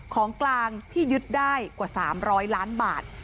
ของกลางที่ยึดได้กว่า๓๐๐ล้านบาท